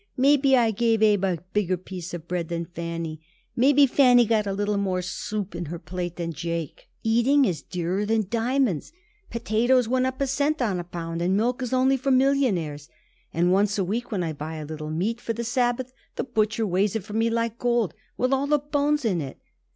Maybe I gave Abe a bigger piece of bread than Fanny. Maybe Fanny got a little more soup in her plate than Jake. Eating is dearer than diamonds. Potatoes went up a cent on a pound, and milk is only for millionaires. And once a week, when I buy a little meat for the Sabbath, the butcher weighs it for me like gold, with all the bones in it.